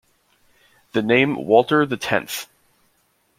The name Walter the Tenth.